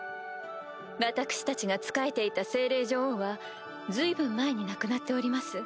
私たちが仕えていた精霊女王は随分前に亡くなっております。